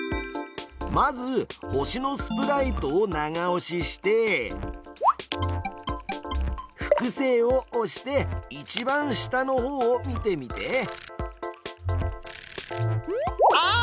まず星のスプライトを長押しして「複製」を押して一番下の方を見てみて。